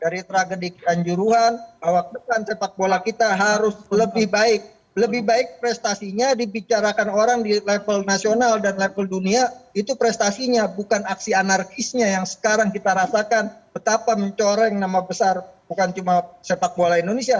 dari tragedi kanjuruhan bahwa ke depan sepak bola kita harus lebih baik lebih baik prestasinya dibicarakan orang di level nasional dan level dunia itu prestasinya bukan aksi anarkisnya yang sekarang kita rasakan betapa mencoreng nama besar bukan cuma sepak bola indonesia